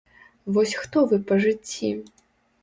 Вось хто вы па жыцці?